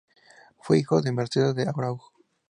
Fue hijo de Mercedes de Araujo.